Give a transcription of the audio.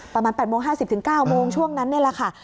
ประมาณ๘โมง๕๐๙โมงช่วงนั้นนี่แหละค่ะ